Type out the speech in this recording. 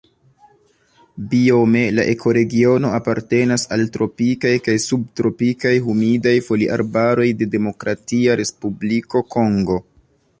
Biome la ekoregiono apartenas al tropikaj kaj subtropikaj humidaj foliarbaroj de Demokratia Respubliko Kongo.